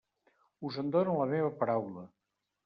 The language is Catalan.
Us en dono la meva paraula.